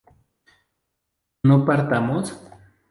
¿no partamos?